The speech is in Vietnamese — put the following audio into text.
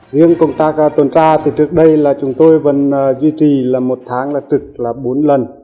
riêng công tác tuần tra thì trước đây là chúng tôi vẫn duy trì là một tháng là trực là bốn lần